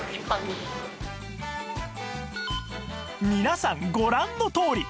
皆さんご覧のとおり